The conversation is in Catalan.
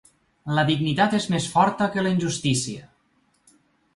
La dignitat és més forta que la injustícia.